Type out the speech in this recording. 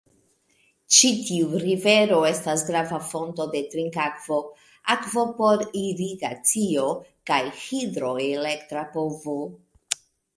Ĉi tiu rivero estas grava fonto de trinkakvo, akvo por irigacio, kaj hidroelektra povo.